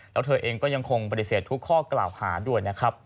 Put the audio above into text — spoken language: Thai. แล้วเธอเองยังคงบริเศษทุกข้อกราบหาด้วย